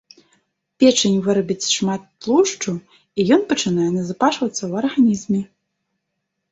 Печань вырабіць шмат тлушчу і ён пачынае назапашвацца ў арганізме.